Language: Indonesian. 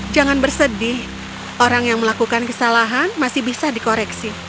jangan bersedih orang yang melakukan kesalahan masih bisa dikoreksi